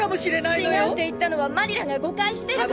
違うって言ったのはマリラが誤解してるから。